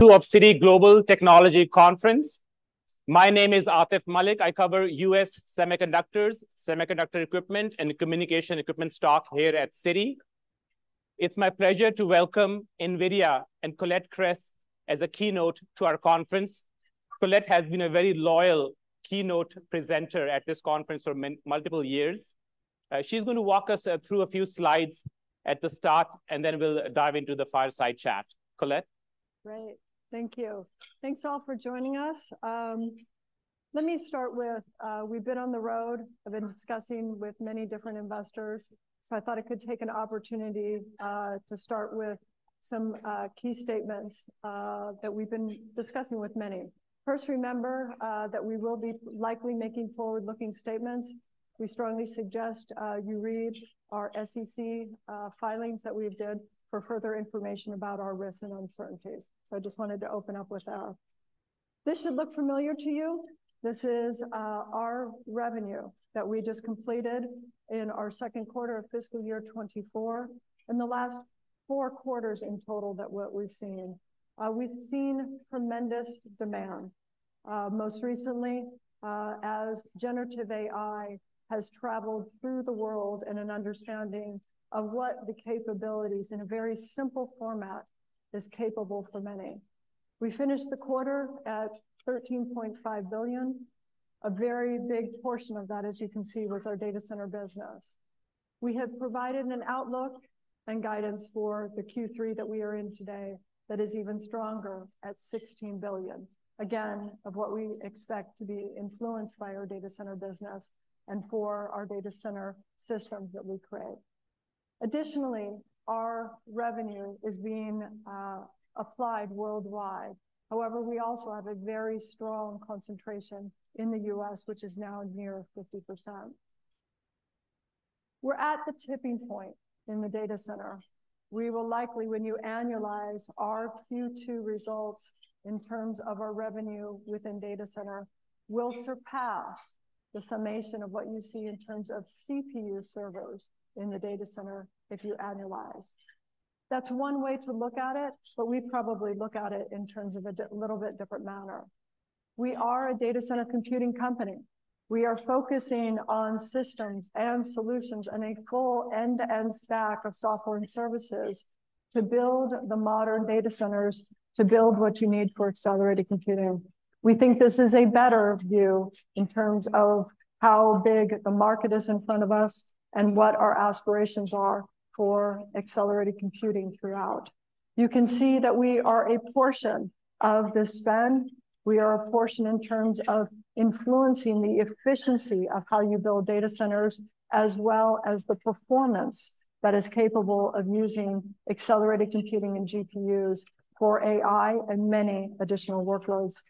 To our Citi Global Technology Conference. My name is Atif Malik. I cover U.S. semiconductors, semiconductor equipment, and communication equipment stock here at Citi. It's my pleasure to welcome NVIDIA and Colette Kress as a keynote to our conference. Colette has been a very loyal keynote presenter at this conference for multiple years. She's going to walk us through a few slides at the start, and then we'll dive into the fireside chat. Colette? Great. Thank you. Thanks, all, for joining us. Let me start with, we've been on the road and been discussing with many different investors, so I thought I could take an opportunity, to start with some, key statements, that we've been discussing with many. First, remember, that we will be likely making forward-looking statements. We strongly suggest, you read our SEC filings that we've did for further information about our risks and uncertainties, so I just wanted to open up with that. This should look familiar to you. This is, our revenue that we just completed in our second quarter of fiscal year 2024, and the last four quarters in total that what we've seen. We've seen tremendous demand, most recently, as generative AI has traveled through the world, and an understanding of what the capabilities in a very simple format is capable for many. We finished the quarter at $13.5 billion. A very big portion of that, as you can see, was our data center business. We have provided an outlook and guidance for the Q3 that we are in today that is even stronger at $16 billion, again, of what we expect to be influenced by our data center business and for our data center systems that we create. Additionally, our revenue is being, applied worldwide. However, we also have a very strong concentration in the U.S., which is now near 50%. We're at the tipping point in the data center. We will likely, when you annualize our Q2 results in terms of our revenue within data center, will surpass the summation of what you see in terms of CPU servers in the data center if you annualize. That's one way to look at it, but we probably look at it in terms of a little bit different manner. We are a data center computing company. We are focusing on systems and solutions and a full end-to-end stack of software and services to build the modern data centers, to build what you need for accelerated computing. We think this is a better view in terms of how big the market is in front of us and what our aspirations are for accelerated computing throughout. You can see that we are a portion of the spend. We are a portion in terms of influencing the efficiency of how you build data centers, as well as the performance that is capable of using accelerated computing and GPUs for AI and many additional workloads.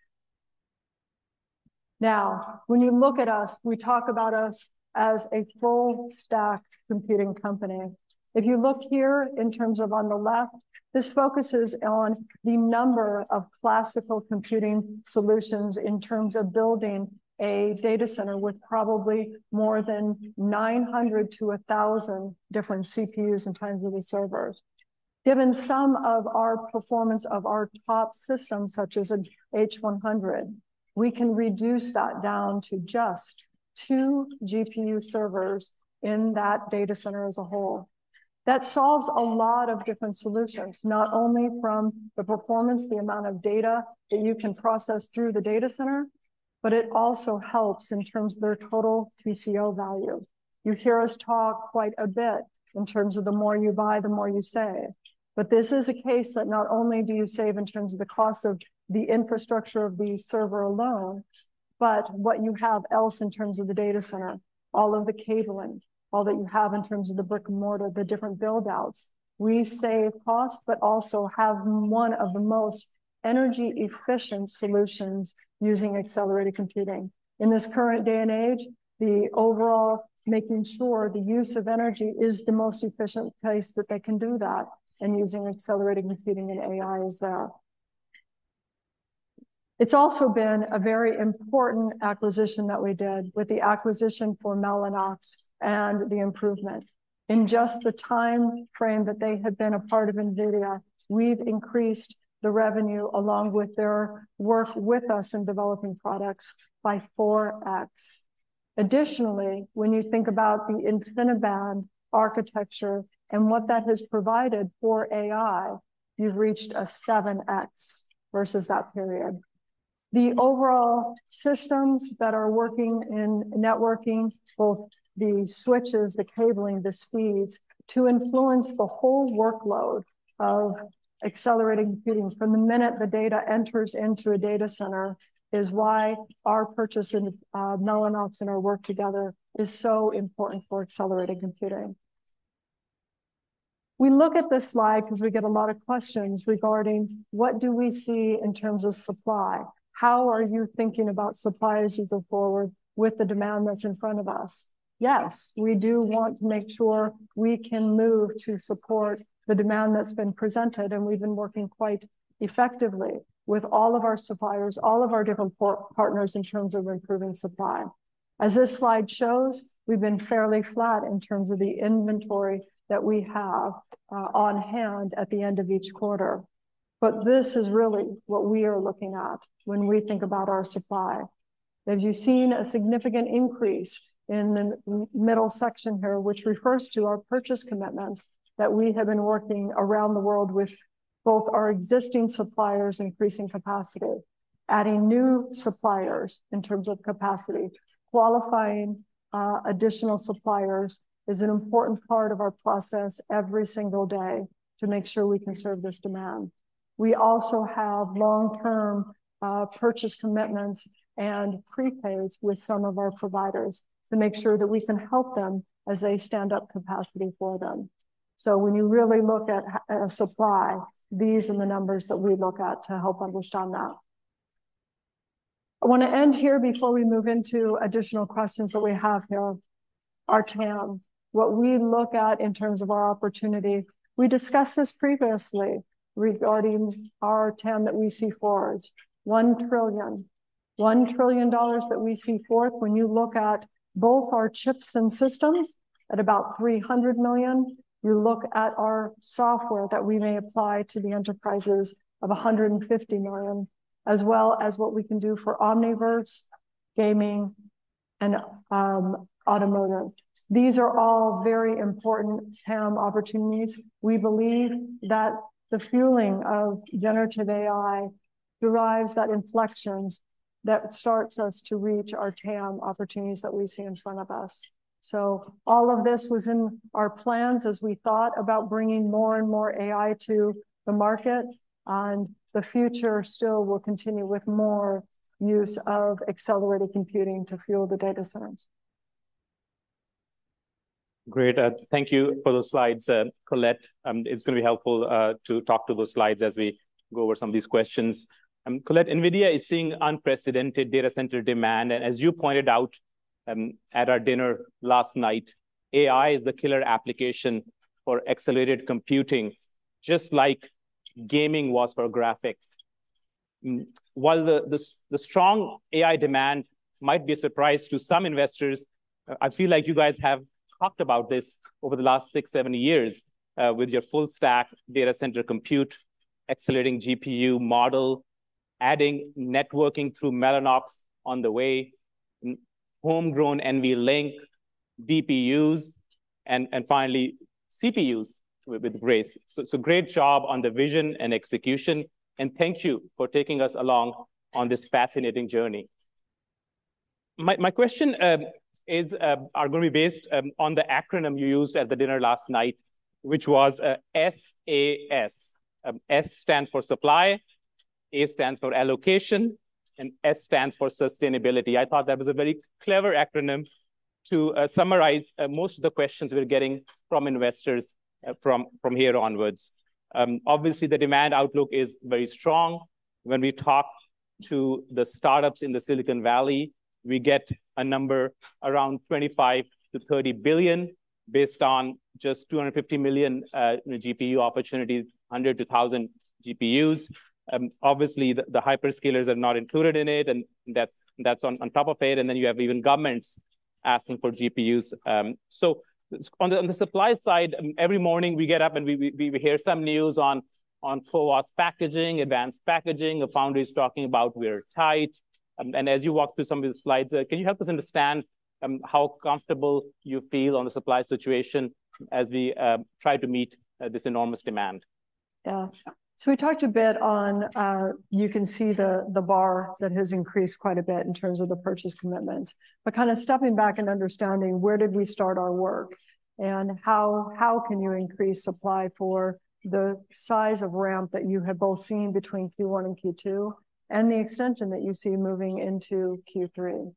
Now, when you look at us, we talk about us as a full-stack computing company. If you look here in terms of on the left, this focuses on the number of classical computing solutions in terms of building a data center with probably more than 900 to 1,000 different CPUs in terms of the servers. Given some of our performance of our top systems, such as an H100, we can reduce that down to just two GPU servers in that data center as a whole. That solves a lot of different solutions, not only from the performance, the amount of data that you can process through the data center, but it also helps in terms of their total TCO value. You hear us talk quite a bit in terms of the more you buy, the more you save, but this is a case that not only do you save in terms of the cost of the infrastructure of the server alone, but what you have else in terms of the data center, all of the cabling, all that you have in terms of the brick-and-mortar, the different build-outs. We save cost, but also have one of the most energy-efficient solutions using accelerated computing. In this current day and age, the overall making sure the use of energy is the most efficient place that they can do that, and using accelerated computing and AI is there. It's also been a very important acquisition that we did with the acquisition for Mellanox and the improvement. In just the time frame that they have been a part of NVIDIA, we've increased the revenue, along with their work with us in developing products, by 4x. Additionally, when you think about the InfiniBand architecture and what that has provided for AI, you've reached a 7x versus that period. The overall systems that are working in networking, both the switches, the cabling, the speeds, to influence the whole workload of accelerated computing from the minute the data enters into a data center, is why our purchase in, Mellanox and our work together is so important for accelerated computing. We look at this slide because we get a lot of questions regarding: What do we see in terms of supply? How are you thinking about supply as you go forward with the demand that's in front of us? Yes, we do want to make sure we can move to support the demand that's been presented, and we've been working quite effectively with all of our suppliers, all of our different partners in terms of improving supply. As this slide shows, we've been fairly flat in terms of the inventory that we have on hand at the end of each quarter. But this is really what we are looking at when we think about our supply. As you've seen, a significant increase in the middle section here, which refers to our purchase commitments, that we have been working around the world with both our existing suppliers increasing capacity, adding new suppliers in terms of capacity. Qualifying additional suppliers is an important part of our process every single day to make sure we can serve this demand. We also have long-term purchase commitments and prepaids with some of our providers to make sure that we can help them as they stand up capacity for them. So when you really look at supply, these are the numbers that we look at to help understand that. I wanna end here before we move into additional questions that we have here. Our TAM, what we look at in terms of our opportunity. We discussed this previously regarding our TAM that we see forward, $1 trillion. $1 trillion that we see forth when you look at both our chips and systems at about $300 million, you look at our software that we may apply to the enterprises of $150 million, as well as what we can do for Omniverse, Gaming, and Automotive. These are all very important TAM opportunities. We believe that the fueling of generative AI derives that inflections that starts us to reach our TAM opportunities that we see in front of us. So all of this was in our plans as we thought about bringing more and more AI to the market, and the future still will continue with more use of accelerated computing to fuel the data centers. Great, thank you for those slides, Colette. It's gonna be helpful to talk to those slides as we go over some of these questions. Colette, NVIDIA is seeing unprecedented data center demand, and as you pointed out, at our dinner last night, AI is the killer application for accelerated computing, just like gaming was for graphics. While the strong AI demand might be a surprise to some investors, I feel like you guys have talked about this over the last six, seven years, with your full stack data center compute, accelerating GPU model, adding networking through Mellanox on the way, homegrown NVLink, DPUs, and finally, CPUs with Grace. So, great job on the vision and execution, and thank you for taking us along on this fascinating journey. My question are gonna be based on the acronym you used at the dinner last night, which was SAS. S stands for supply, A stands for allocation, and S stands for sustainability. I thought that was a very clever acronym to summarize most of the questions we're getting from investors from here onwards. Obviously, the demand outlook is very strong. When we talk to the startups in the Silicon Valley, we get a number around $25 billion-$30 billion, based on just 250 million GPU opportunities, 100-1,000 GPUs. Obviously, the hyperscalers are not included in it, and that's on top of it, and then you have even governments asking for GPUs. So on the supply side, every morning we get up and we hear some news on CoWoS packaging, advanced packaging. The foundry is talking about we're tight. And as you walk through some of the slides, can you help us understand how comfortable you feel on the supply situation as we try to meet this enormous demand? Yeah. So we talked a bit on, you can see the, the bar that has increased quite a bit in terms of the purchase commitments. But kinda stepping back and understanding where did we start our work, and how, how can you increase supply for the size of ramp that you have both seen between Q1 and Q2, and the extension that you see moving into Q3?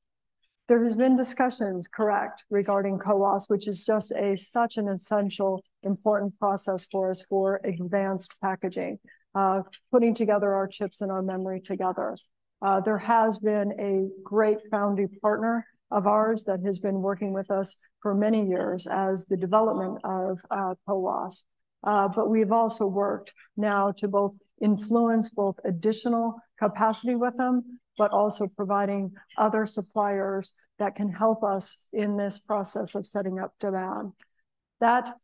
There has been discussions, correct, regarding CoWoS, which is just such an essential, important process for us for advanced packaging, putting together our chips and our memory together. There has been a great foundry partner of ours that has been working with us for many years as the development of, CoWoS. But we've also worked now to both influence both additional capacity with them, but also providing other suppliers that can help us in this process of setting up demand. That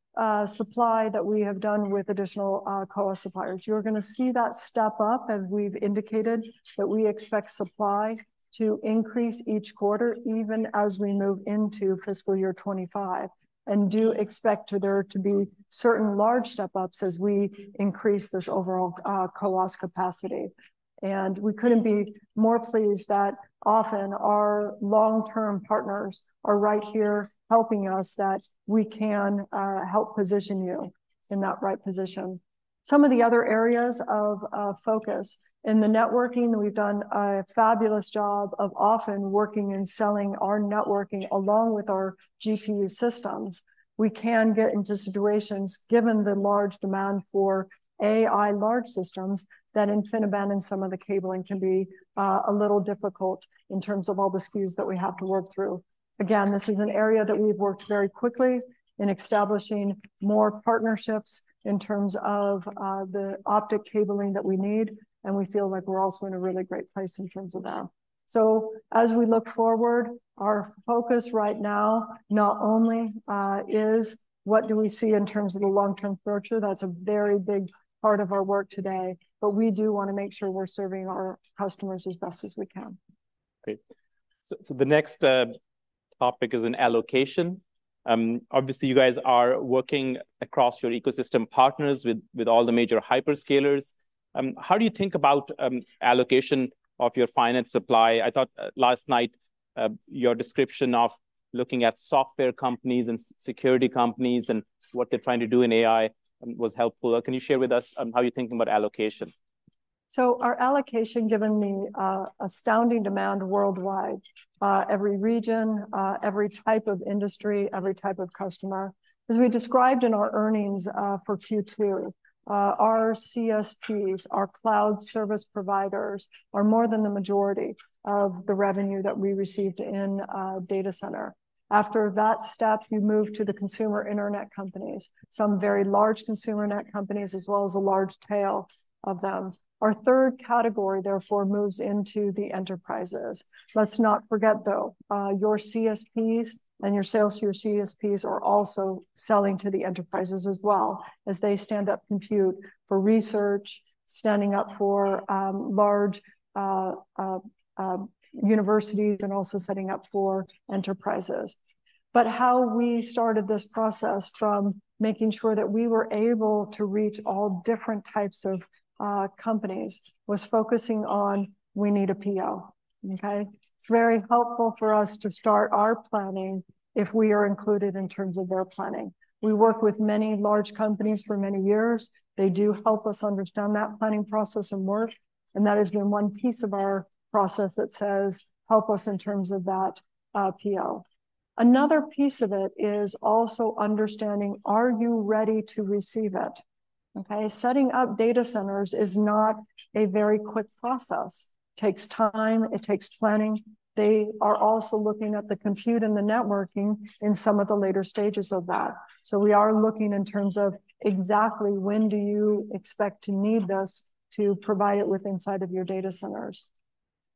supply that we have done with additional CoWoS suppliers, you're gonna see that step up as we've indicated, that we expect supply to increase each quarter, even as we move into fiscal year 2025, and do expect there to be certain large step-ups as we increase this overall CoWoS capacity. And we couldn't be more pleased that often our long-term partners are right here helping us, that we can help position you in that right position. Some of the other areas of focus, in the networking, we've done a fabulous job of often working and selling our networking along with our GPU systems. We can get into situations, given the large demand for AI large systems, that InfiniBand and some of the cabling can be a little difficult in terms of all the SKUs that we have to work through. Again, this is an area that we've worked very quickly in establishing more partnerships in terms of the optic cabling that we need, and we feel like we're also in a really great place in terms of that. So as we look forward, our focus right now not only is what do we see in terms of the long-term future, that's a very big part of our work today, but we do wanna make sure we're serving our customers as best as we can. Great. So the next topic is on allocation. Obviously, you guys are working across your ecosystem partners with all the major hyperscalers. How do you think about allocation of your finite supply? I thought last night your description of looking at software companies and security companies and what they're trying to do in AI was helpful. Can you share with us on how you're thinking about allocation? So our allocation, given the astounding demand worldwide, every region, every type of industry, every type of customer, as we described in our earnings for Q2, our CSPs, our cloud service providers, are more than the majority of the revenue that we received in data center. After that step, you move to the consumer internet companies, some very large consumer net companies, as well as a large tail of them. Our third category, therefore, moves into the enterprises. Let's not forget, though, your CSPs and your sales to your CSPs are also selling to the enterprises as well, as they stand up compute for research, standing up for large universities, and also setting up for enterprises. But how we started this process from making sure that we were able to reach all different types of companies, was focusing on, we need a PO, okay? It's very helpful for us to start our planning if we are included in terms of their planning. We work with many large companies for many years. They do help us understand that planning process and work, and that has been one piece of our process that says, "Help us in terms of that, PO." Another piece of it is also understanding, are you ready to receive it? Okay, setting up data centers is not a very quick process. It takes time, it takes planning. They are also looking at the compute and the networking in some of the later stages of that. So we are looking in terms of exactly when do you expect to need us to provide it with inside of your data centers?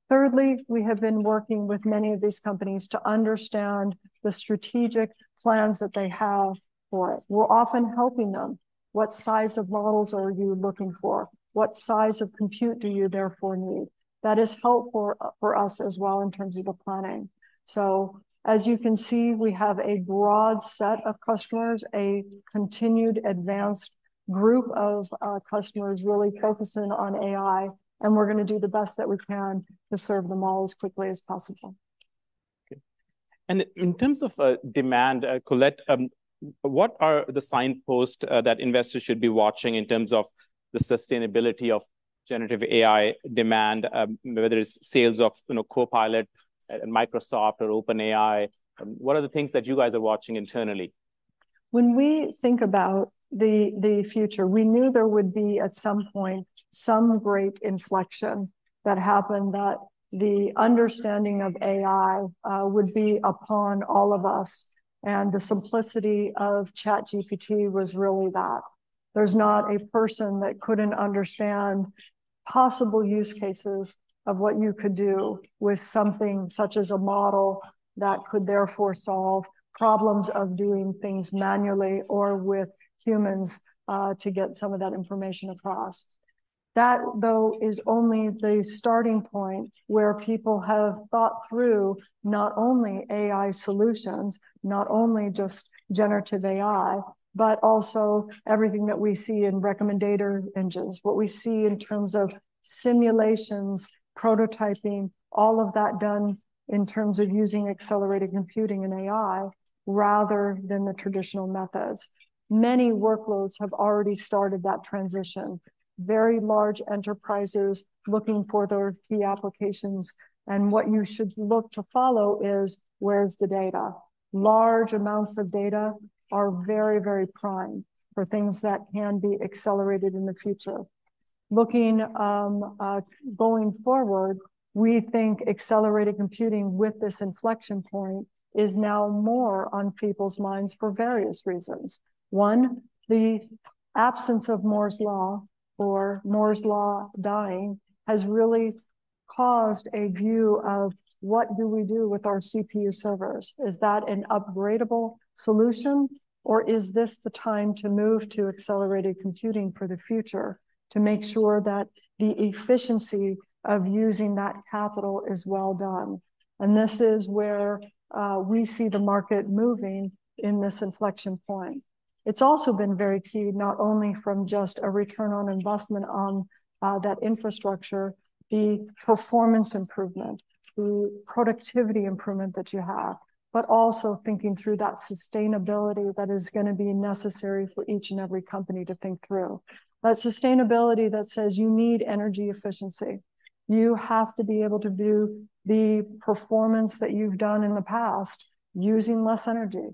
Thirdly, we have been working with many of these companies to understand the strategic plans that they have for it. We're often helping them. What size of models are you looking for? What size of compute do you therefore need? That is helpful for us as well in terms of the planning. So as you can see, we have a broad set of customers, a continued advanced group of our customers really focusing on AI, and we're gonna do the best that we can to serve them all as quickly as possible. Okay. In terms of demand, Colette, what are the signposts that investors should be watching in terms of the sustainability of generative AI demand, whether it's sales of, you know, Copilot and Microsoft or OpenAI? What are the things that you guys are watching internally? When we think about the future, we knew there would be, at some point, some great inflection that happened, that the understanding of AI would be upon all of us, and the simplicity of ChatGPT was really that. There's not a person that couldn't understand possible use cases of what you could do with something such as a model that could therefore solve problems of doing things manually or with humans to get some of that information across. That, though, is only the starting point where people have thought through not only AI solutions, not only just generative AI, but also everything that we see in recommendation engines, what we see in terms of simulations, prototyping, all of that done in terms of using accelerated computing and AI rather than the traditional methods. Many workloads have already started that transition. Very large enterprises looking for their key applications, and what you should look to follow is: where's the data? Large amounts of data are very, very prime for things that can be accelerated in the future. Looking, going forward, we think accelerated computing with this inflection point is now more on people's minds for various reasons. One, the absence of Moore's Law or Moore's Law dying, has really caused a view of: what do we do with our CPU servers? Is that an upgradable solution, or is this the time to move to accelerated computing for the future to make sure that the efficiency of using that capital is well done? And this is where, we see the market moving in this inflection point. It's also been very key, not only from just a return on investment on, that infrastructure, the performance improvement, the productivity improvement that you have, but also thinking through that sustainability that is gonna be necessary for each and every company to think through. That sustainability that says you need energy efficiency. You have to be able to do the performance that you've done in the past, using less energy,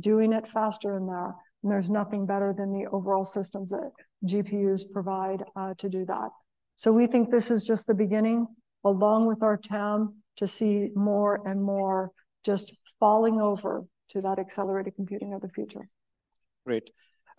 doing it faster in there, and there's nothing better than the overall systems that GPUs provide, to do that. So we think this is just the beginning, along with our TAM, to see more and more just falling over to that accelerated computing of the future. Great.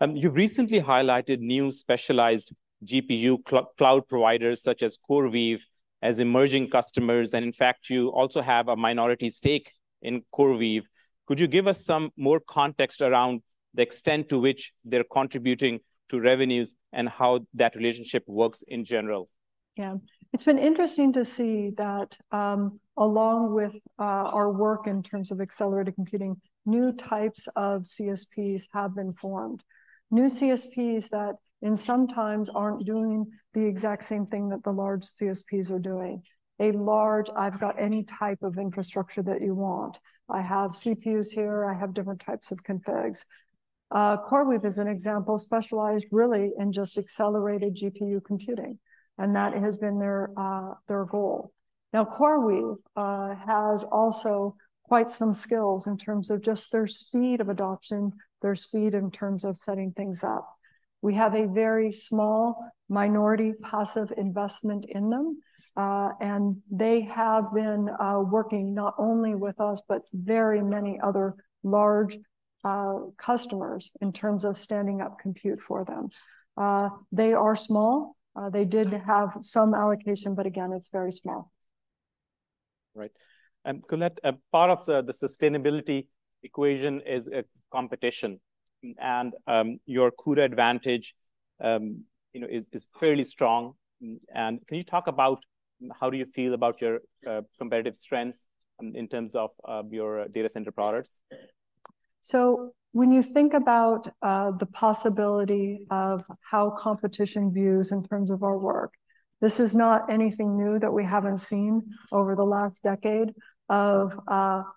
You recently highlighted new specialized GPU cloud providers, such as CoreWeave, as emerging customers, and in fact, you also have a minority stake in CoreWeave. Could you give us some more context around the extent to which they're contributing to revenues and how that relationship works in general? Yeah, it's been interesting to see that, along with our work in terms of accelerated computing, new types of CSPs have been formed. New CSPs that in some times aren't doing the exact same thing that the large CSPs are doing. A large, I've got any type of infrastructure that you want. I have CPUs here, I have different types of configs. CoreWeave is an example, specialized really in just accelerated GPU computing, and that has been their goal. Now, CoreWeave has also quite some skills in terms of just their speed of adoption, their speed in terms of setting things up. We have a very small minority passive investment in them, and they have been working not only with us, but very many other large customers in terms of standing up compute for them. They are small. They did have some allocation, but again, it's very small. Right. And Colette, a part of the sustainability equation is competition, and your CUDA advantage, you know, is clearly strong. And can you talk about how do you feel about your competitive strengths in terms of your data center products? So when you think about the possibility of how competition views in terms of our work, this is not anything new that we haven't seen over the last decade of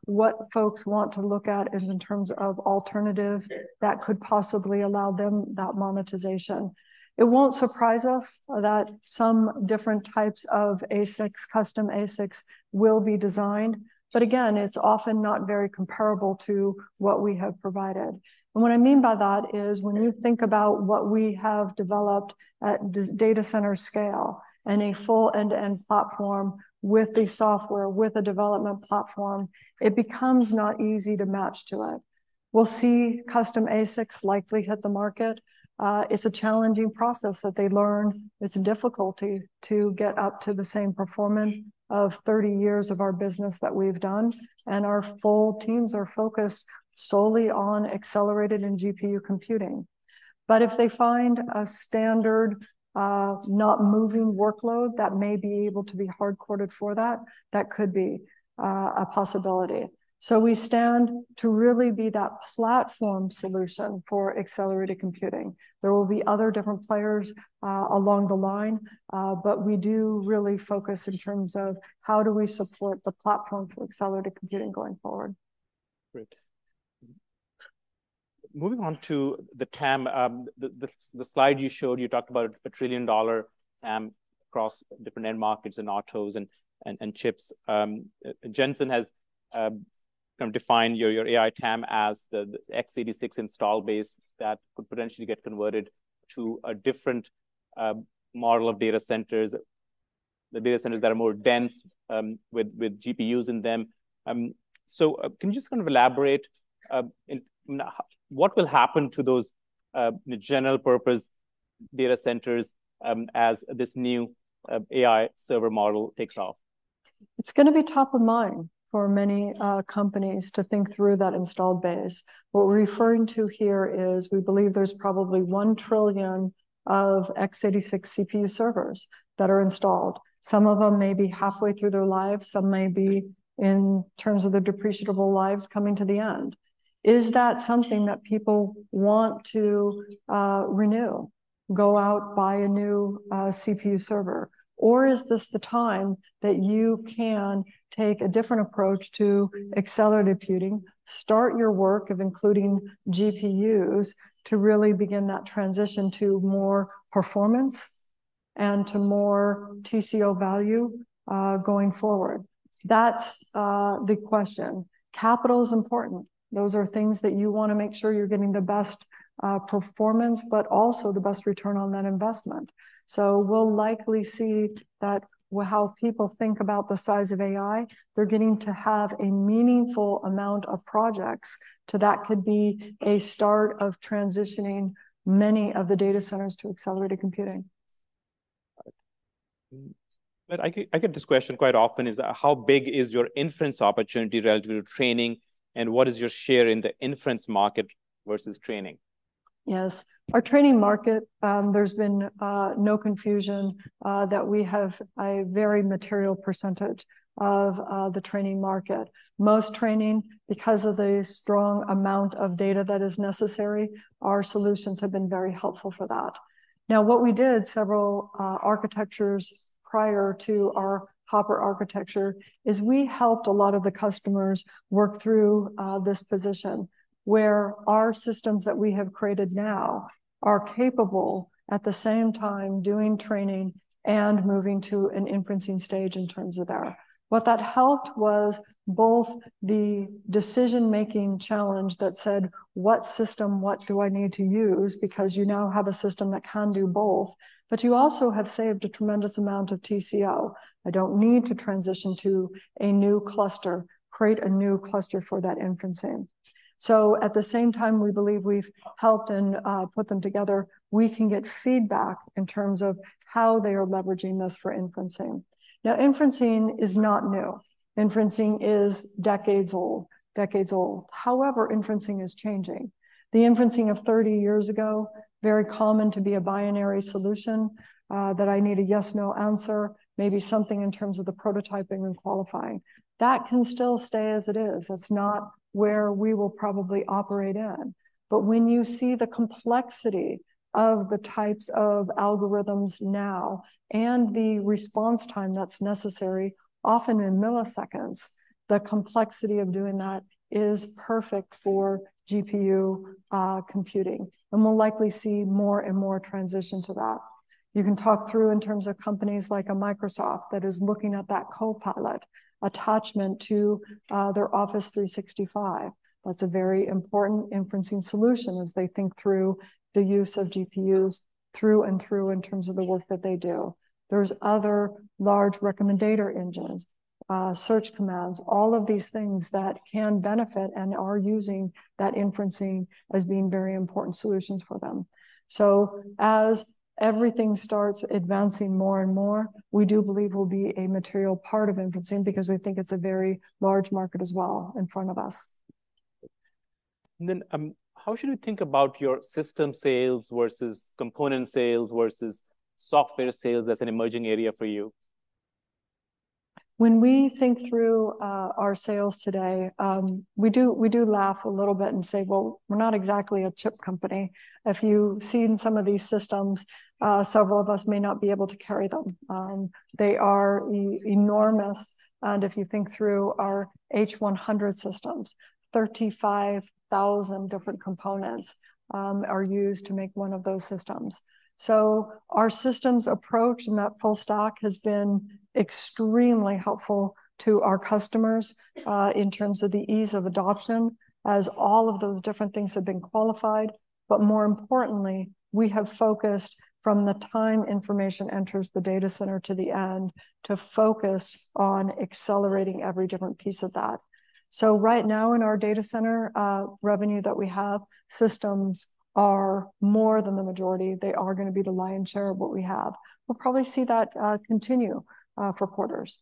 what folks want to look at is in terms of alternatives that could possibly allow them that monetization. It won't surprise us that some different types of ASICs, custom ASICs will be designed, but again, it's often not very comparable to what we have provided. And what I mean by that is, when you think about what we have developed at this data center scale and a full end-to-end platform with the software, with a development platform, it becomes not easy to match to it. We'll see custom ASICs likely hit the market. It's a challenging process that they learn. It's difficult to get up to the same performance of 30 years of our business that we've done, and our full teams are focused solely on accelerated and GPU computing. But if they find a standard, not moving workload that may be able to be hardcoded for that, that could be a possibility. So we stand to really be that platform solution for accelerated computing. There will be other different players along the line, but we do really focus in terms of how do we support the platform for accelerated computing going forward. Great. Moving on to the TAM. The slide you showed, you talked about a $1 trillion TAM across different end markets and autos and chips. Jensen has kind of defined your AI TAM as the x86 install base that could potentially get converted to a different model of data centers, the data centers that are more dense with GPUs in them. Can you just kind of elaborate, in what will happen to those general purpose data centers as this new AI server model takes off? It's gonna be top of mind for many, companies to think through that installed base. What we're referring to here is we believe there's probably 1 trillion of x86 CPU servers that are installed. Some of them may be halfway through their lives, some may be, in terms of their depreciable lives, coming to the end. Is that something that people want to, renew, go out, buy a new, CPU server? Or is this the time that you can take a different approach to accelerated computing, start your work of including GPUs, to really begin that transition to more performance and to more TCO value, going forward? That's, the question. Capital is important. Those are things that you wanna make sure you're getting the best, performance, but also the best return on that investment. We'll likely see that with how people think about the size of AI, they're getting to have a meaningful amount of projects. That could be a start of transitioning many of the data centers to accelerated computing. But I get, I get this question quite often, is: How big is your inference opportunity relative to training, and what is your share in the inference market versus training? Yes. Our training market, there's been no confusion that we have a very material percentage of the training market. Most training, because of the strong amount of data that is necessary, our solutions have been very helpful for that. Now, what we did several architectures prior to our Hopper architecture, is we helped a lot of the customers work through this position, where our systems that we have created now are capable, at the same time, doing training and moving to an inferencing stage in terms of AI. What that helped was both the decision-making challenge that said, "What system, what do I need to use?" Because you now have a system that can do both, but you also have saved a tremendous amount of TCO. I don't need to transition to a new cluster, create a new cluster for that inferencing. So at the same time, we believe we've helped and put them together, we can get feedback in terms of how they are leveraging this for inferencing. Now, inferencing is not new. Inferencing is decades old, decades old. However, inferencing is changing. The inferencing of 30 years ago, very common to be a binary solution, that I need a yes, no answer, maybe something in terms of the prototyping and qualifying. That can still stay as it is. It's not where we will probably operate in. But when you see the complexity of the types of algorithms now, and the response time that's necessary, often in milliseconds, the complexity of doing that is perfect for GPU computing, and we'll likely see more and more transition to that. You can talk through in terms of companies like a Microsoft that is looking at that Copilot attachment to their Office 365. That's a very important inferencing solution as they think through the use of GPUs through and through in terms of the work that they do. There's other large recommendation engines, search commands, all of these things that can benefit and are using that inferencing as being very important solutions for them. So as everything starts advancing more and more, we do believe we'll be a material part of inferencing because we think it's a very large market as well in front of us. And then, how should we think about your system sales versus component sales versus software sales as an emerging area for you? When we think through our sales today, we do, we do laugh a little bit and say: Well, we're not exactly a chip company. If you've seen some of these systems, several of us may not be able to carry them. They are enormous, and if you think through our H100 systems, 35,000 different components are used to make one of those systems. So our systems approach, and that full stack, has been extremely helpful to our customers in terms of the ease of adoption, as all of those different things have been qualified. But more importantly, we have focused from the time information enters the data center to the end, to focus on accelerating every different piece of that. So right now in our data center revenue that we have, systems are more than the majority. They are gonna be the lion's share of what we have. We'll probably see that continue for quarters.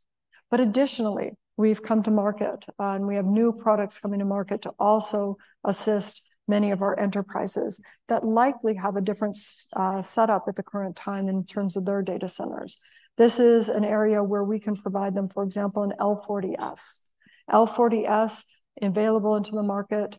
But additionally, we've come to market, and we have new products coming to market to also assist many of our enterprises that likely have a different setup at the current time in terms of their data centers. This is an area where we can provide them, for example, an L40S. L40S, available into the market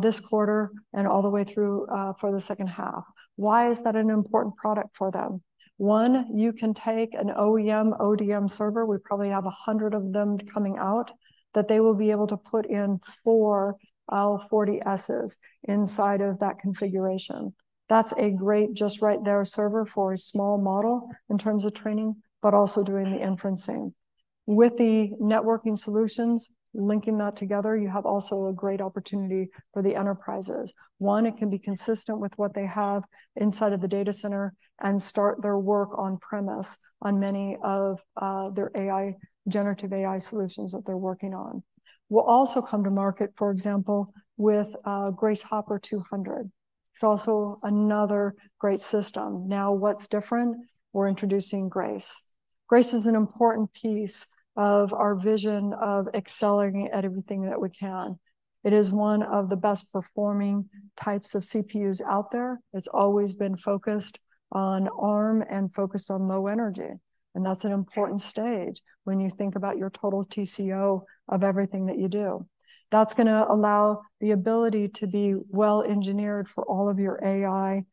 this quarter and all the way through for the second half. Why is that an important product for them? One, you can take an OEM/ODM server, we probably have 100 of them coming out, that they will be able to put in 4 L40Ss inside of that configuration. That's a great just right there server for a small model in terms of training, but also doing the inferencing. With the networking solutions, linking that together, you have also a great opportunity for the enterprises. One, it can be consistent with what they have inside of the data center and start their work on premise on many of their AI, generative AI solutions that they're working on. We'll also come to market, for example, with Grace Hopper 200. It's also another great system. Now, what's different? We're introducing Grace. Grace is an important piece of our vision of accelerating at everything that we can. It is one of the best performing types of CPUs out there. It's always been focused on Arm and focused on low energy, and that's an important stage when you think about your total TCO of everything that you do. That's gonna allow the ability to be well-engineered for all of your AI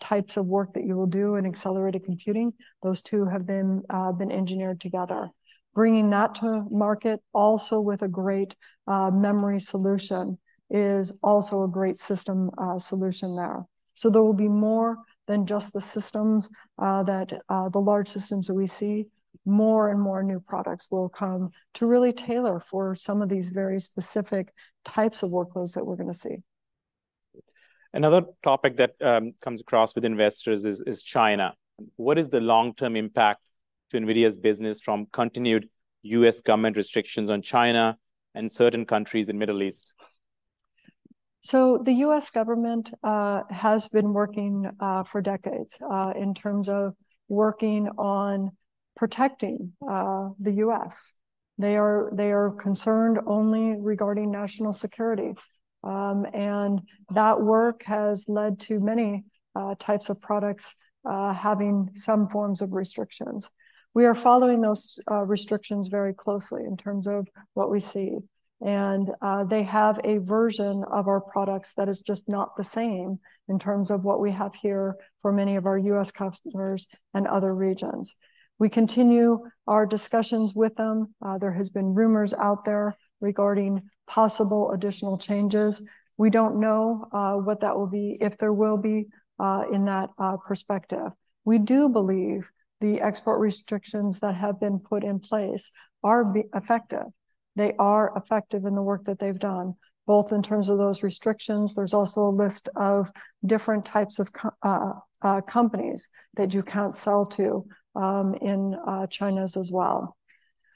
types of work that you will do in accelerated computing. Those two have been been engineered together. Bringing that to market, also with a great memory solution, is also a great system solution there. So there will be more than just the systems that the large systems that we see. More and more new products will come to really tailor for some of these very specific types of workloads that we're gonna see. Another topic that comes across with investors is China. What is the long-term impact to NVIDIA's business from continued U.S. government restrictions on China and certain countries in Middle East? The U.S. government has been working for decades in terms of working on protecting the U.S. They are concerned only regarding national security. That work has led to many types of products having some forms of restrictions. We are following those restrictions very closely in terms of what we see, and they have a version of our products that is just not the same in terms of what we have here for many of our U.S. customers and other regions. We continue our discussions with them. There has been rumors out there regarding possible additional changes. We don't know what that will be, if there will be, in that perspective. We do believe the export restrictions that have been put in place are effective. They are effective in the work that they've done, both in terms of those restrictions. There's also a list of different types of companies that you can't sell to in China as well.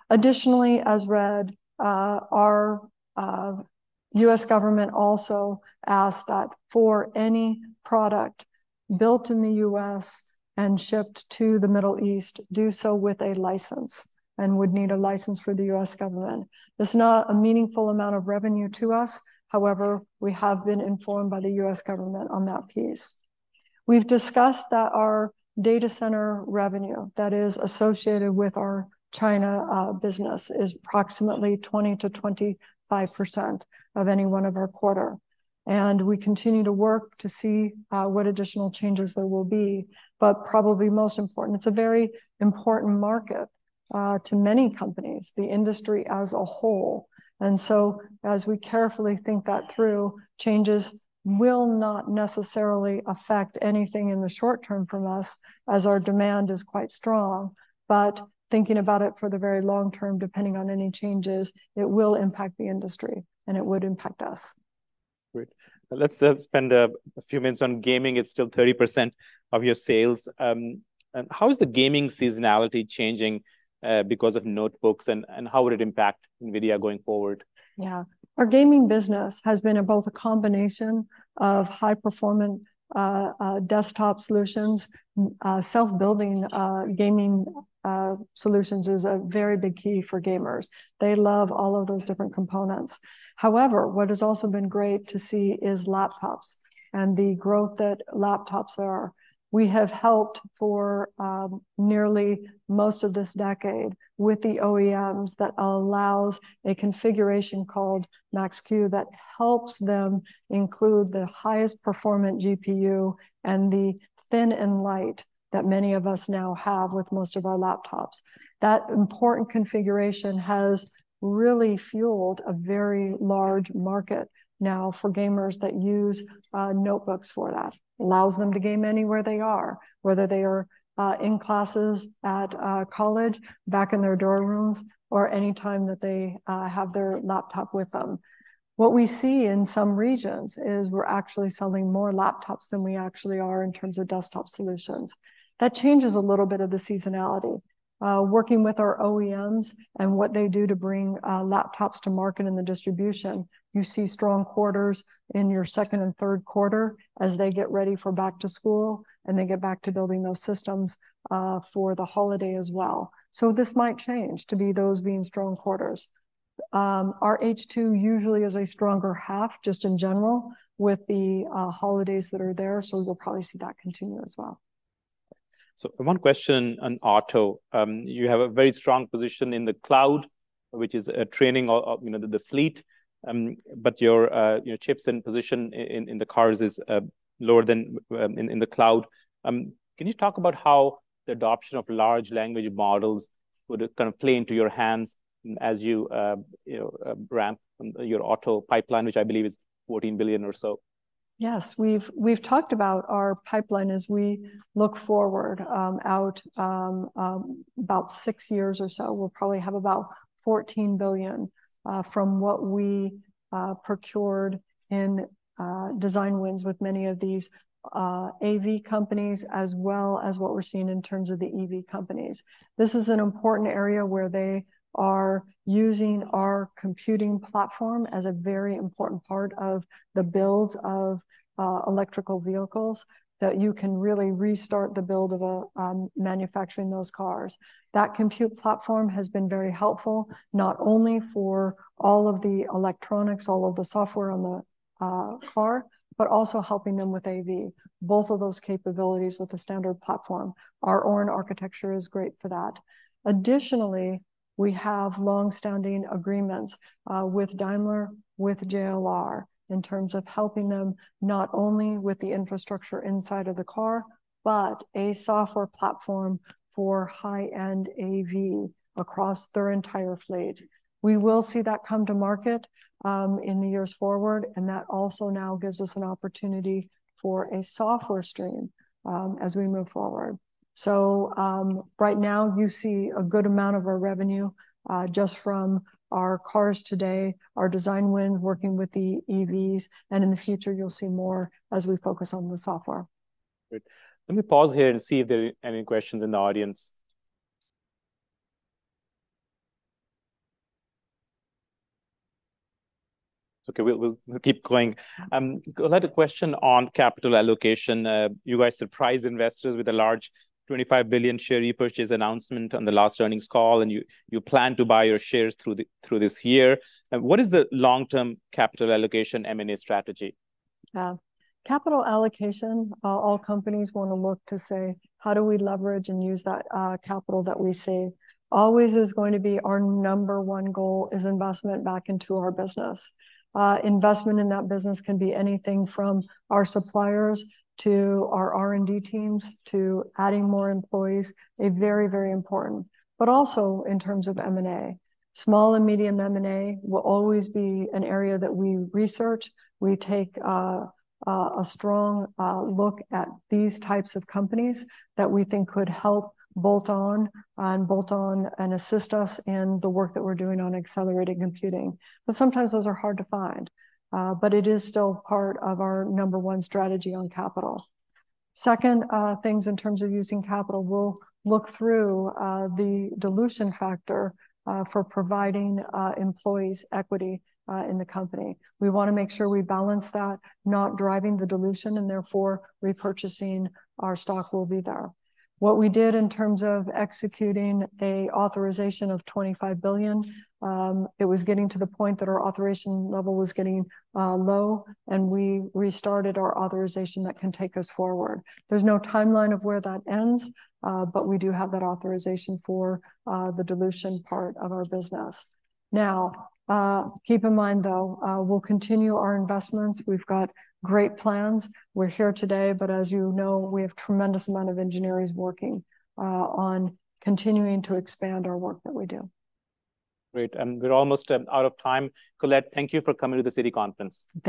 Additionally, as read our U.S. government also asked that for any product built in the U.S. and shipped to the Middle East, do so with a license, and would need a license for the U.S. government. It's not a meaningful amount of revenue to us; however, we have been informed by the U.S. government on that piece. We've discussed that our data center revenue that is associated with our China business is approximately 20%-25% of any one of our quarters, and we continue to work to see what additional changes there will be. Probably most important, it's a very important market to many companies, the industry as a whole. So, as we carefully think that through, changes will not necessarily affect anything in the short term from us, as our demand is quite strong. Thinking about it for the very long term, depending on any changes, it will impact the industry, and it would impact us. Great. Let's spend a few minutes on Gaming. It's still 30% of your sales. And how is the gaming seasonality changing because of notebooks, and how would it impact NVIDIA going forward? Yeah. Our Gaming business has been both a combination of high-performance desktop solutions. Self-building gaming solutions is a very big key for gamers. They love all of those different components. However, what has also been great to see is laptops and the growth that laptops are. We have helped for nearly most of this decade with the OEMs that allows a configuration called Max-Q, that helps them include the highest performant GPU and the thin and light that many of us now have with most of our laptops. That important configuration has really fueled a very large market now for gamers that use notebooks for that. Allows them to game anywhere they are, whether they are in classes at college, back in their dorm rooms, or any time that they have their laptop with them. What we see in some regions is we're actually selling more laptops than we actually are in terms of desktop solutions. That changes a little bit of the seasonality. Working with our OEMs and what they do to bring laptops to market and the distribution, you see strong quarters in your second and third quarter as they get ready for back to school, and they get back to building those systems for the holiday as well. So this might change to be those being strong quarters. Our H2 usually is a stronger half, just in general, with the holidays that are there, so we'll probably see that continue as well. So one question on Auto. You have a very strong position in the cloud, which is, training or, you know, the fleet, but your, your chips and position in, in the cars is, lower than, in, in the cloud. Can you talk about how the adoption of large language models would kind of play into your hands as you, you know, ramp your auto pipeline, which I believe is $14 billion or so? Yes. We've talked about our pipeline as we look forward about six years or so. We'll probably have about $14 billion from what we procured in design wins with many of these AV companies, as well as what we're seeing in terms of the EV companies. This is an important area where they are using our computing platform as a very important part of the builds of electric vehicles, that you can really restart the build of manufacturing those cars. That compute platform has been very helpful, not only for all of the electronics, all of the software on the car, but also helping them with AV, both of those capabilities with the standard platform. Our Orin architecture is great for that. Additionally, we have long-standing agreements with Daimler, with JLR, in terms of helping them not only with the infrastructure inside of the car, but a software platform for high-end AV across their entire fleet. We will see that come to market in the years forward, and that also now gives us an opportunity for a software stream as we move forward. So, right now, you see a good amount of our revenue just from our cars today, our design win, working with the EVs, and in the future, you'll see more as we focus on the software. Great. Let me pause here and see if there are any questions in the audience. It's okay, we'll keep going. Colette, a question on capital allocation. You guys surprised investors with a large $25 billion share repurchase announcement on the last earnings call, and you plan to buy your shares through this year. What is the long-term capital allocation M&A strategy? Capital allocation, all companies want to look to say: How do we leverage and use that capital that we save? Always is going to be our number one goal, is investment back into our business. Investment in that business can be anything from our suppliers to our R&D teams to adding more employees, are very, very important. But also in terms of M&A. Small and medium M&A will always be an area that we research. We take a strong look at these types of companies that we think could help bolt on and bolt on and assist us in the work that we're doing on Accelerated Computing, but sometimes those are hard to find. But it is still part of our number one strategy on capital. Second, things in terms of using capital, we'll look through the dilution factor for providing employees equity in the company. We wanna make sure we balance that, not driving the dilution, and therefore repurchasing our stock will be there. What we did in terms of executing a authorization of $25 billion, it was getting to the point that our authorization level was getting low, and we restarted our authorization that can take us forward. There's no timeline of where that ends, but we do have that authorization for the dilution part of our business. Now, keep in mind, though, we'll continue our investments. We've got great plans. We're here today, but as you know, we have tremendous amount of engineers working on continuing to expand our work that we do. Great, and we're almost out of time. Colette, thank you for coming to the Citi conference. Thank you.